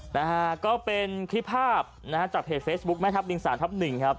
นะฮะก็เป็นคลิปภาพนะฮะจากเพจเฟซบุ๊คแม่ทัพลิงสามทับหนึ่งครับ